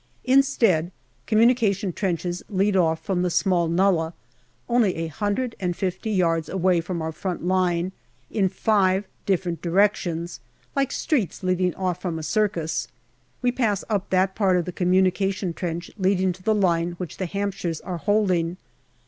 Instead, communication trenches lead off from the small nullah, only a hundred and fifty yards away from our front line, in five diff erent directions, like streets leading off from a circus. We pass up that part of the communication trench leading to the line which the Hampshires are holding.